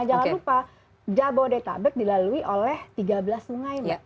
jangan lupa jabodetabek dilalui oleh tiga belas sungai mbak